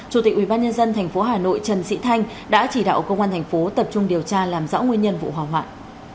chủ tịch ubnd tp hà nội trần sĩ thanh đã chỉ đạo công an thành phố tập trung điều tra làm rõ nguyên nhân vụ hỏa hoạn